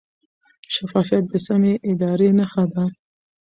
شفافیت د سمې ادارې نښه ده.